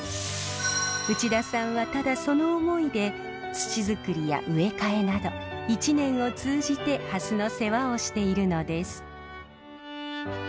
内田さんはただその思いで土作りや植え替えなど一年を通じてハスの世話をしているのです。